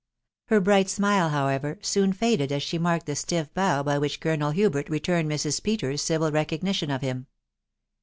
Her bright smile, however, soon faded as she marked the stiff bow by which Colonel Hubert returned Mrs. Peters's civil recognition of him.